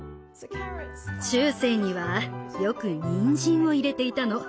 中世にはよくにんじんを入れていたの。